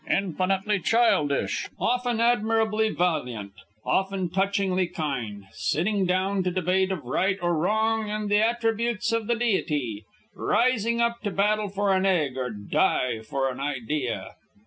Infinitely childish, often admirably valiant, often touchingly kind; sitting down to debate of right or wrong and the attributes of the deity; rising up to battle for an egg or die for an idea!'